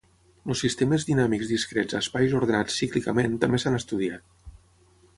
Els sistemes dinàmics discrets a espais ordenats cíclicament també s"han estudiat.